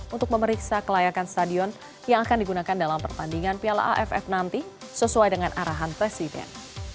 untuk memeriksa kelayakan stadion yang akan digunakan dalam pertandingan piala aff nanti sesuai dengan arahan presiden